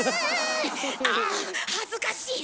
ああっ恥ずかしい！